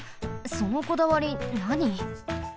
そのこだわりなに？